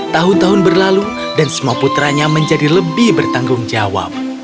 tahun tahun berlalu dan semua putranya menjadi lebih bertanggung jawab